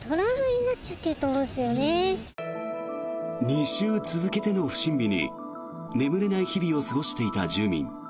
２週続けての不審火に眠れない日々を過ごしていた住民。